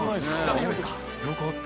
大丈夫ですか？